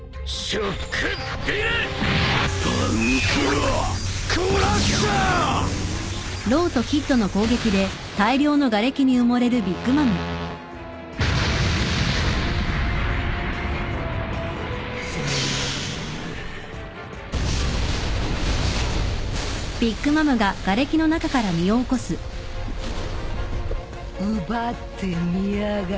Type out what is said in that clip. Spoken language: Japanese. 奪ってみやがれ。